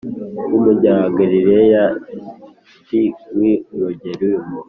w Umunyagaleyadi w i Rogelimu